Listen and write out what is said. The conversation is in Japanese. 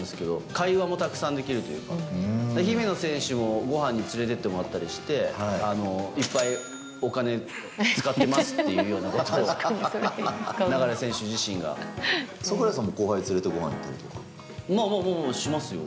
会話もたくさんできるというか、姫野選手もごはんに連れてってもらったりして、いっぱいお金使ってますっていうようなことを、櫻井さんも、後輩連れてごはまあまあまあ、しますよ。